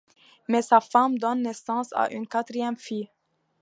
Mais sa femme donne naissance à une quatrième fille.